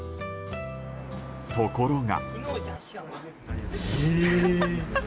ところが。